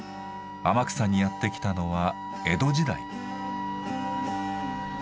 天草にやって来たのは江戸時代。